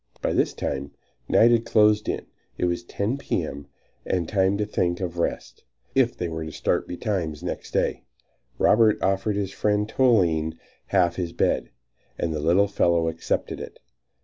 By this time night had closed in; it was 10 P. M. and time to think of rest, if they were to start betimes next day. Robert offered his friend Toline half his bed, and the little fellow accepted it.